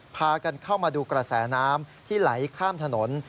พากันเข้ามาดูกระแสน้ำที่ไหลข้ามถนน